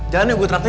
jalan yuk gue traktir